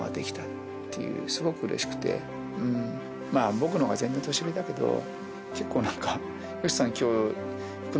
僕のほうが全然年上だけど結構何か。